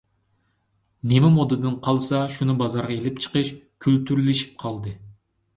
نېمە مودىدىن قالسا شۇنى بازارغا ئېلىپ چىقىش كۈلتۈرلىشىپ قالدى.